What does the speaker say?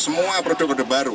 semua produk order baru